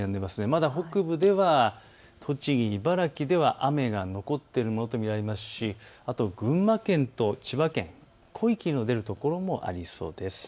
まだ北部では栃木、茨城では雨が残っているものと見られますし群馬県と千葉県、濃い霧の出る所もありそうです。